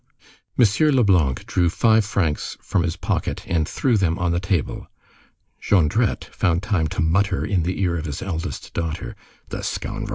M. Leblanc drew five francs from his pocket and threw them on the table. Jondrette found time to mutter in the ear of his eldest daughter:— "The scoundrel!